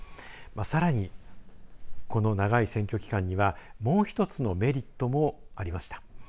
さらに、この長い選挙期間にはもう１つのメリットもありました。